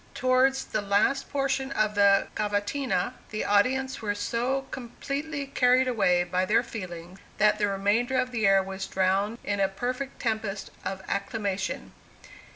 Towards the last portion of the cavatina, the audience were so completely carried away by their feelings, that the remainder of the air was drowned in a perfect tempest of acclamation.